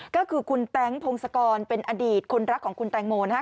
ก็คือคุณแต๊งพงศกรเป็นอดีตคนรักของคุณแตงโมนะครับ